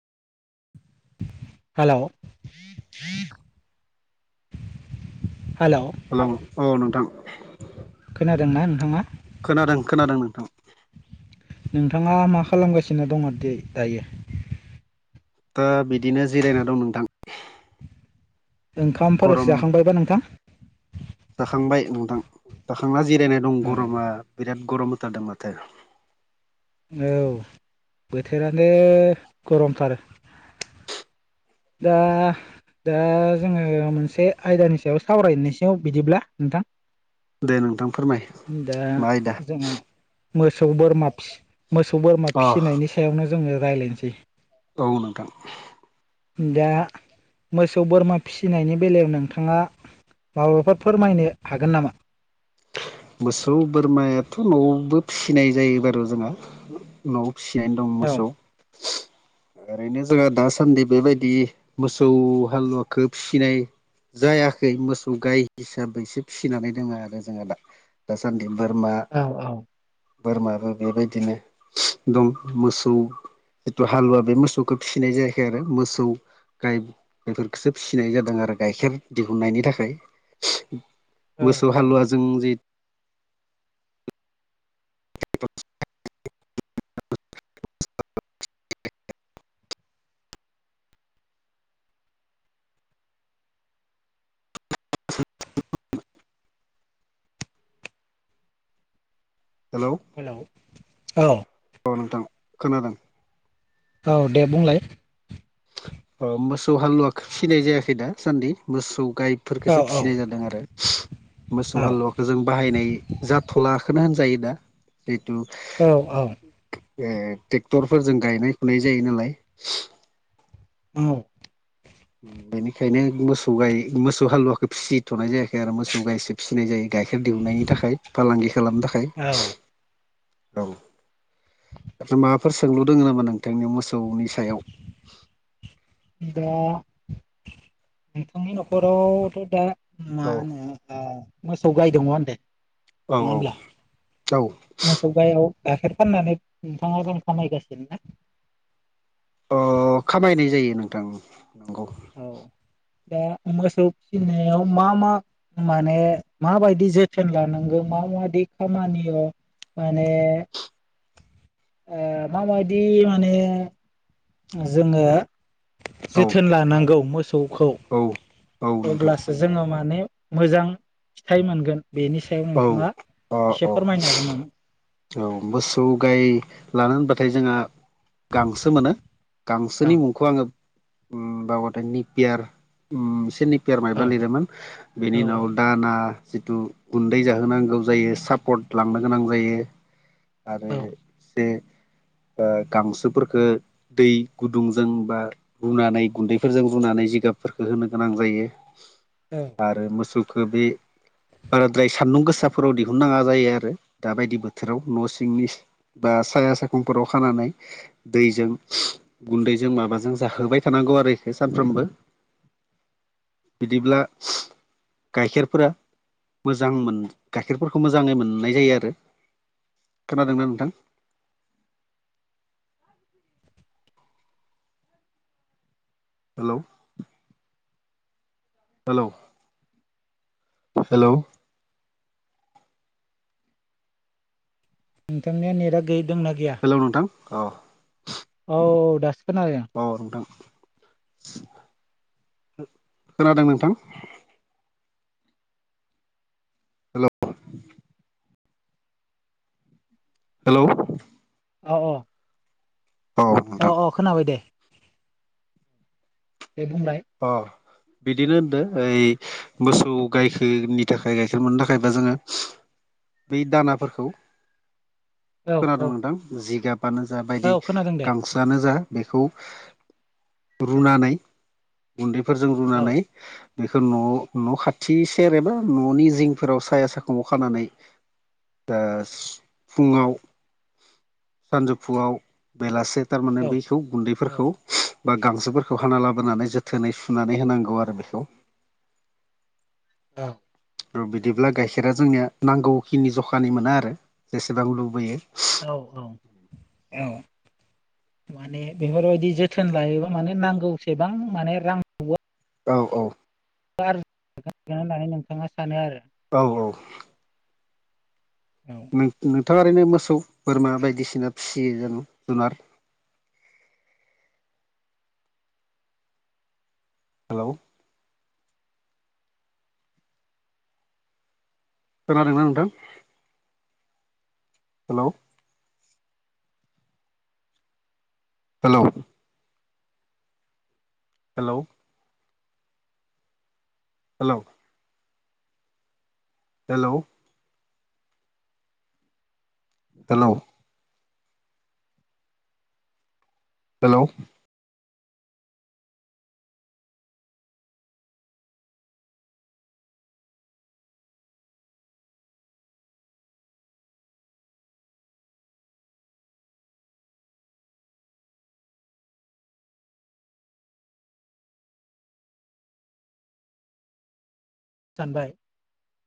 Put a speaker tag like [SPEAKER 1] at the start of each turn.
[SPEAKER 1] हेल' hello
[SPEAKER 2] hello औ नोंथां
[SPEAKER 1] जादोंना नोंथाङा
[SPEAKER 2] खोनादों खोनादों नोंथां
[SPEAKER 1] नोंथाङा मा खालामगासिनो दङ दायो?
[SPEAKER 2] दा बिदिनो जिरायना दं नोंथां
[SPEAKER 1] ओंखामफोर
[SPEAKER 2] गरम
[SPEAKER 1] जाखांबायबा नोंथां
[SPEAKER 2] जाखांबाय नोंथां जाखांना जिरायनाय दं
[SPEAKER 1] औ
[SPEAKER 2] गरमा बिराद गरम होथारदों माथो
[SPEAKER 1] औ बोथोरानो गरमथार [inaudible] दा दा जोङो मोनसे आयदानि सायाव सावरायनायसायाव बिदिब्ला नोंथां
[SPEAKER 2] दे नोंथां फोरमाय
[SPEAKER 1] दा
[SPEAKER 2] बायदा
[SPEAKER 1] जोंहा मोसौ बोरा मोसौ बोरमा
[SPEAKER 2] अ
[SPEAKER 1] फिसिनायनि सायावनो जोङो रायज्लायनोसै
[SPEAKER 2] औाव नोंथां
[SPEAKER 1] दा मोसौ बोरमा फिसिनायनि बेलायाव नोंथाङा माबाफोर फोरमायनो हागोन नामा?
[SPEAKER 2] मोसौ बोरमायाथ' न'आवबो फिसिनाय जायो बार' जोंहा न' फिसियनो दं
[SPEAKER 1] औ
[SPEAKER 2] मोसौ
[SPEAKER 1] [inaudible]
[SPEAKER 2] ओरैनो जोंहा दासान्दि बेबायदि मोसौ हालुवाखौ फिसिनाय जायाखै मोसौ गाय हिसाबैसो फिसिनानै दोङो आरो जोंहा दा दासान
[SPEAKER 1] औ औ
[SPEAKER 2] बोरमायाबो बेबायदिनो दं मोसौ जिथु हालुवा बे मोसौखौ फिसिनाय जायाखै आरो मोसौ गाय बेफोरखौसो फिसिनाय जादों आरो गाइखेर दिहुननायनि थाखाय
[SPEAKER 1] औ
[SPEAKER 2] मोसौ
[SPEAKER 1] औ
[SPEAKER 2] हालुवाजों जे [unintelligible] हेलौ
[SPEAKER 1] हेल' औ
[SPEAKER 2] औ नोंथां खोनादों
[SPEAKER 1] औ दे बुंलाय
[SPEAKER 2] अ मोसौ हालुवाखौ फिनाय जायाखै दासान्दि मोसौ
[SPEAKER 1] औ
[SPEAKER 2] गायफोरखौसो फिसिनाय जादों आरो मोसौ हालुवाखौ जों बाहायनाय जाथ'लाखोनो होनजायो दा बे'
[SPEAKER 1] औ
[SPEAKER 2] ए ट्रेक्टरफोरजों गायनाय फुनाय जायो नालाय
[SPEAKER 1] माव
[SPEAKER 2] बेनिखायनो मोसौ गाय मोसौ हालुवाखौ फिसिथ'नाय जायाखै आरो मोसौ गायसो फिसिनाय जायो गाइखेर दिहुननायनि थाखाय फालांगि खालामनो थाखाय
[SPEAKER 1] औ
[SPEAKER 2] औ ओफ्राय माबाफोर सोंलु दोङ नामा नोंथांनि मोसौनि सायाव?
[SPEAKER 1] दा नोंथांनि न'खरावथ' दा मा
[SPEAKER 2] औ
[SPEAKER 1] होनो ओ मोसौ गाय दङ होन दे
[SPEAKER 2] औ
[SPEAKER 1] नङा
[SPEAKER 2] औ
[SPEAKER 1] होमब्ला
[SPEAKER 2] औ
[SPEAKER 1] मोसौ गायाव गाइखेर फाननानै नोंथाङा गोन खामायगासिनो ना
[SPEAKER 2] अ खामायनाय जायो नोंथां। नंगौ
[SPEAKER 1] औ। दा मोसौ फिसिनायाव मा मा माने माबायदि जोथोन लानांगौ मा बे खामानियाव माने ओ माबायदि माने जोङो
[SPEAKER 2] औ
[SPEAKER 1] जोथोन लानांगौ मो थौखौ
[SPEAKER 2] औ औ नोंथां
[SPEAKER 1] अब्लासो जोङो माने मोजां फिथाइ मोनगोन। बेनि सायाव
[SPEAKER 2] औ
[SPEAKER 1] नोंथाङा
[SPEAKER 2] अ
[SPEAKER 1] एसे
[SPEAKER 2] औ
[SPEAKER 1] फोरमायनो हागोन नामा?
[SPEAKER 2] औ मोसौ गाय लानो होनबाथाय जोंहा गांसो मोनो
[SPEAKER 1] औ
[SPEAKER 2] गांसोनि मुंखौ आङो बाबाथाय निपियार उम सेदिं पयार माबबा
[SPEAKER 1] औ
[SPEAKER 2] लिरोमोन बेनि
[SPEAKER 1] औ
[SPEAKER 2] उनाव
[SPEAKER 1] औ
[SPEAKER 2] दाना जिथु गुन्दै जाहोनांगौ जायो सापर्ट लांनो गोनां जायो आरो
[SPEAKER 1] औ
[SPEAKER 2] से गांसोफोरफोरखौ दै गुदुंजों बा रुनानै गुन्दैफोरजों रुनानै जिगाबफोरखौ होनो गोनां जायो
[SPEAKER 1] औ
[SPEAKER 2] आरो मोसौ बे बाराद्राय सान्दुं गोसाफोराव दिहुन नङा जायो आरो दाबायदिबोथोर बोथोराव न' सिंनि बा साया सायखुमफोराव खानानै दैजों गुन्दै जों माबाजों जाहोबाय थानांगौ आरो सानफ्रामबो
[SPEAKER 1] [inaudible]
[SPEAKER 2] बिदिब्ला गाइखेरफोरा मोजां मोन गाइखेरफोरखौ मोजाङै मोननाय जायो आरो। खोनादोंना नोंथां हेलौ हेलौ हेलौ
[SPEAKER 1] नोंथांनिया नेटआ गैयै दंना गैया
[SPEAKER 2] औ
[SPEAKER 1] औ दासो खोनादों
[SPEAKER 2] नोंथां खोनादों नोंथां। हेलौ हेलौ
[SPEAKER 1] औ औ।
[SPEAKER 2] नोंथां
[SPEAKER 1] अ अ खोनाबाय दे दे बुंनाय
[SPEAKER 2] अ बिदिनो होनदों ओ मोसौ गायखेरनि थाखाय गाइखेर मोननो थाखायबो जोङो बै दानाफोरखौ
[SPEAKER 1] औ
[SPEAKER 2] खोनादोंं
[SPEAKER 1] औ
[SPEAKER 2] नोंथां जिगाबानो जा बायदि
[SPEAKER 1] औ खोनादों दे
[SPEAKER 2] गांसोआनो जा बेखौ रुनानै गुन्दैफोरजों
[SPEAKER 1] औ
[SPEAKER 2] रुनानै बेखौ न' न' खाथि सेर एबा न'नि जिंफोराव साया साखुम खानानै दा फुङाव सानजौफुंआव बेलासे थारमाने
[SPEAKER 1] औ
[SPEAKER 2] बैखौ गुन्दैफोरखौ बा गांसोफोरखौ हाना लाबोनानै जों थोनै सुनानै होनांगौ आरो बेखौ
[SPEAKER 1] औ
[SPEAKER 2] आरो बिदिब्ला गाइखेरा जोंनिया नांगौखिनि जखानि मोनो आरो जेसेबां लुबैयो
[SPEAKER 1] औ औ औ। माने बेफोरबायदि जोथोन लायोबा माने नांगौसेबां माने रांखौ
[SPEAKER 2] औ औ।
[SPEAKER 1] गोन होननानै नोंथाङा सानो आरो
[SPEAKER 2] औ औ।
[SPEAKER 1] औ
[SPEAKER 2] नोंथाङा ओरैनो मोसौ बोरमा बायदिसिना फिसियो होनबा
[SPEAKER 1] [inaudible]
[SPEAKER 2] हेलौ। खोनादोंना नोंथां? Hello. Hello. Hello. Hello. Hello. Hello. Hello.
[SPEAKER 1] दानबाय।